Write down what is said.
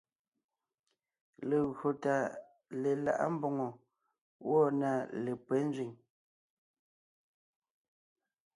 Legÿo tà lelaʼá mbòŋo gwɔ̂ na lépÿɛ́ nzẅìŋ.